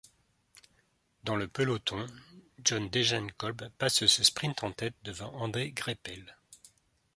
Dans le peloton, John Degenkolb passe ce sprint en tête devant André Greipel.